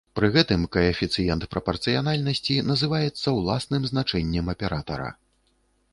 Пры гэтым каэфіцыент прапарцыянальнасці называецца ўласным значэннем аператара.